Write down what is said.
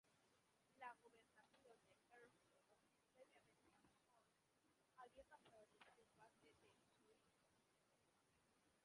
La gobernación de Erfurt previamente sajona había pasado a ser parte de Turingia.